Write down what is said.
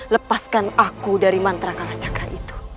lepaskan aku dari mantra kalacakra itu